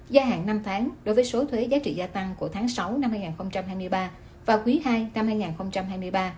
gia hạn năm tháng đối với số thuế giá trị gia tăng của tháng sáu năm hai nghìn hai mươi ba và quý ii năm hai nghìn hai mươi ba